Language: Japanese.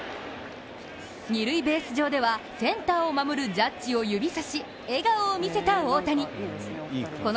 二塁ベース上ではセンターを守るジャッジを指さし笑顔を見せた大谷です